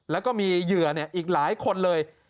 แล้วก็มีเหยื่ออีกหลายคนเลย